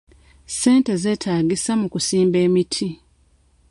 Ssente zeetaagisa mu kusimba emiti.